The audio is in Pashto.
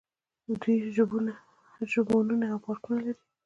دوی ژوبڼونه او پارکونه لري.